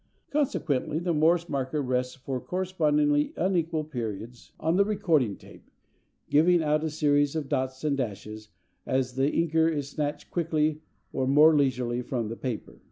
Consequently the Morse marker rests for correspondingly unequal periods on the recording "tape," giving out a series of dots and dashes, as the inker is snatched quickly or more leisurely from the paper.